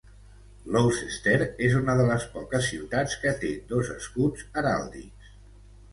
Gloucester és una de les poques ciutats que té dos escuts heràldics.